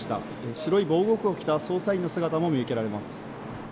白い防護服を着た捜査員の姿も見受けられます。